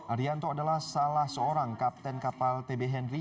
arianto adalah salah seorang kapten kapal tb henry